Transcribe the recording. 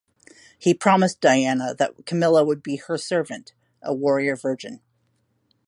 He promised Diana that Camilla would be her servant, a warrior virgin.